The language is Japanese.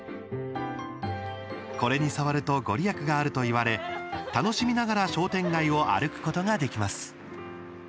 これに触ると御利益があるといわれ楽しみながら商店街を歩くことができます。